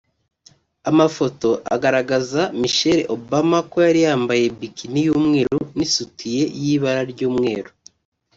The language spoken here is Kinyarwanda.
Amafoto agaragaza Michelle Obama ko yari yambaye bikini y’umweru n’isutiye y’ibara ry’umweru